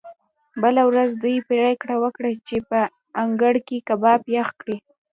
بله ورځ دوی پریکړه وکړه چې په انګړ کې کباب پخ کړي